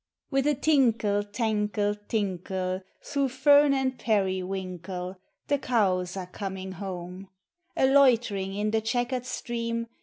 With a tinkle, tankle, tinkle, Through fern and ]>eriwiukle, The cows are coming home; A loitering in the checkered stream.